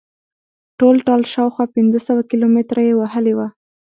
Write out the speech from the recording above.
ټولټال شاوخوا پنځه سوه کیلومتره یې وهلې وه.